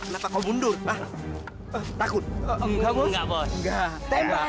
nggak nggak jan nggak lagi jan